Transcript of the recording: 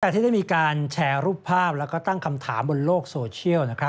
ที่ได้มีการแชร์รูปภาพแล้วก็ตั้งคำถามบนโลกโซเชียล